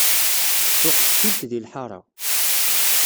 Tuɣ teftilt di lḥara.